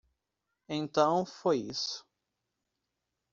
Então foi isso.